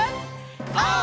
オー！